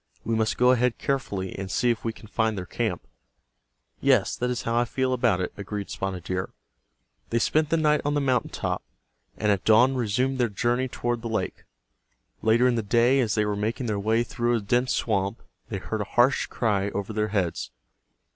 We must go ahead carefully, and see if we can find their camp." "Yes, that is how I feel about it," agreed Spotted Deer. They spent the night on the mountain top, and at dawn resumed their journey toward the lake. Later in the day, as they were making their way through a dense swamp, they heard a harsh cry over their heads.